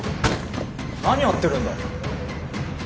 何やってるんだ？